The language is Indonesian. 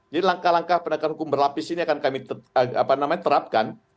jadi langkah langkah penegakan hukum berlapis ini akan kami apa namanya terapkan